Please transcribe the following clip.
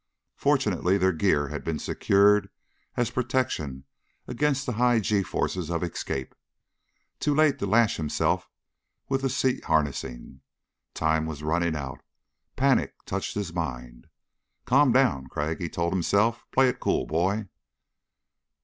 Fortunately their gear had been secured as protection against the high g forces of escape. Too late to lash himself with the seat harnessing. Time was running out. Panic touched his mind. Calm down, Crag, he told himself. Play it cool, boy.